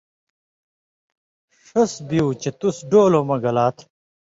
ݜس بیُو چے تُس (ڈولؤں مہ) گلاں تھہ